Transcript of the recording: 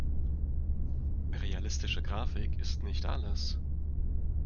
Realistische Grafik ist nicht alles.